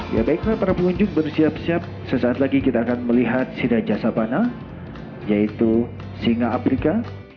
ya baiklah para pengunjung bersiap siap sesaat lagi kita akan melihat si raja sabana yaitu singa afrika